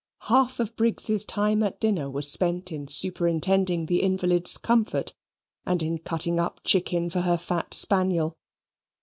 Half of Briggs's time at dinner was spent in superintending the invalid's comfort, and in cutting up chicken for her fat spaniel.